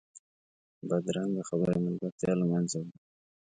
بدرنګه خبرې ملګرتیا له منځه وړي